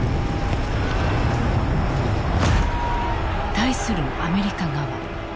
対するアメリカ側。